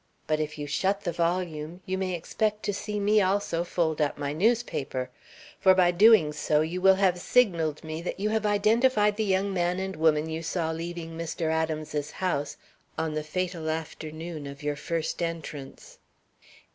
But if you shut the volume, you may expect to see me also fold up my newspaper; for by so doing you will have signaled me that you have identified the young man and woman you saw leaving Mr. Adams's house on the fatal afternoon of your first entrance.